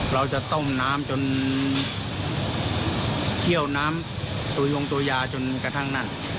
เราจะต้มน้ำจนเคี่ยวน้ำตัวยงตัวยาจนกระทั่งนั่น